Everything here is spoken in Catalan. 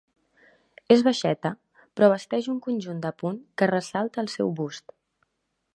És baixeta, però vesteix un conjunt de punt que ressalta el seu bust.